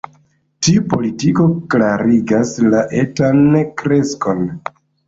Tiu politiko klarigas la etan kreskon.